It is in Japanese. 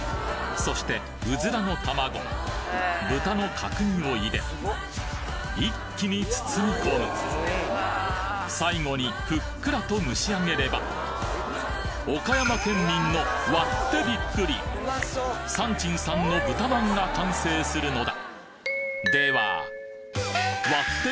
そしてうずらの卵豚の角煮を入れ一気に包み込む最後にふっくらと蒸しあげれば岡山県民の割ってビックリ山珍さんの豚まんが完成するのだ